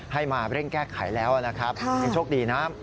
ให้มาเร่งแก้ไขแล้วนะครับยังโชคดีนะ